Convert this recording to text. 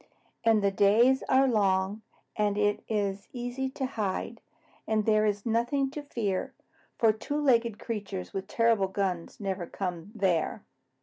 "And the days are long, and it is easy to hide, and there is nothing to fear, for two legged creatures with terrible guns never come there."